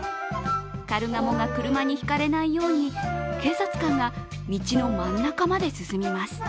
カルガモが車にひかれないように警察官が道の真ん中まで進みます。